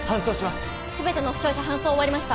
すべての負傷者搬送終わりました